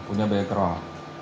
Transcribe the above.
ini baik roh